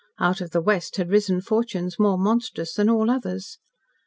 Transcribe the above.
Out of the West had risen fortunes more monstrous than all others.